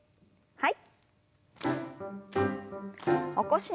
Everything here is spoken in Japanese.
はい。